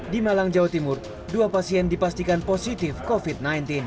di malang jawa timur dua pasien dipastikan positif covid sembilan belas